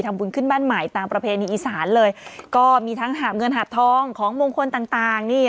บุญขึ้นบ้านใหม่ตามประเพณีอีสานเลยก็มีทั้งหาบเงินหาบทองของมงคลต่างต่างนี่